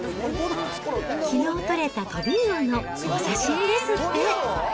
きのう取れたトビウオのお刺身ですって。